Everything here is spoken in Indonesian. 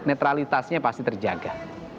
netralitasnya pasti terjaga